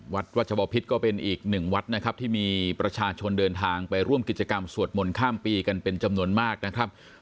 วัดรัชบพิษก็เป็นอีกหนึ่งวัดนะครับที่มีประชาชนเดินทางไปร่วมกิจกรรมสวดมนต์ข้ามปีกันเป็นจำนวนมากนะครับ